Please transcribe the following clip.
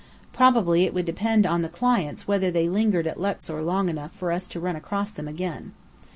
Probably it would depend on "the clients" whether they lingered at Luxor long enough for us to run across them again.